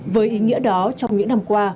với ý nghĩa đó trong những năm qua